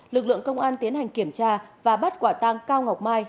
lực lượng công an tiến hành kiểm tra và bắt quả tăng cao ngọc mai